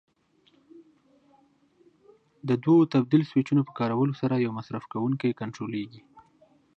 د دوو تبدیل سویچونو په کارولو سره یو مصرف کوونکی کنټرولېږي.